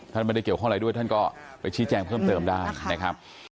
ท่านไม่ได้เกี่ยวข้องอะไรด้วยท่านก็ไปชี้แจงเพิ่มเติมได้นะครับ